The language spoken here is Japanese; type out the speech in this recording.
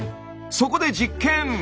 そこで実験！